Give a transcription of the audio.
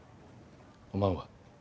おまんは？